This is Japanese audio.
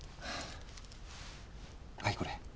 はい、これ。